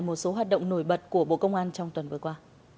một số hoạt động nổi bật của bộ công an trong tuần vừa qua